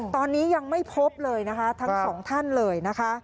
ตอนนี้ยังไม่พบเลยนะคะทั้ง๒ท่านเลย